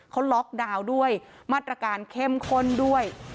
เขาล็อกดาวน์ด้วยมาตรการเข้มข้นด้วย